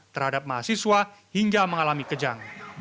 terhadap mahasiswa hingga mengalami kejang